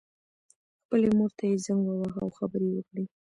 خپلې مور ته یې زنګ وواهه او خبرې یې وکړې